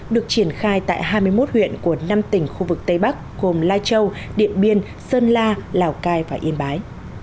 được triển khai tại hai mươi một huyện của năm tỉnh khu vực tây bắc gồm lai châu điện biên sơn la lào cai và yên bái